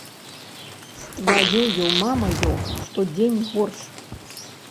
З тваёю мамаю штодзень горш.